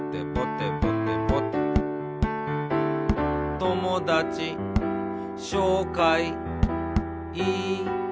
「ともだちしょうかいいたします」